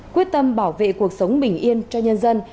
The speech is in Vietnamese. quyết tâm bảo vệ cuộc sống bình yên cho nhân dân